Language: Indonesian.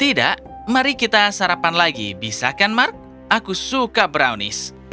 tidak mari kita sarapan lagi bisa kan mark aku suka brownies